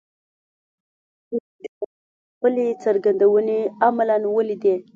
دینګ ډېر ژر خپلې څرګندونې عملاً ولیدې.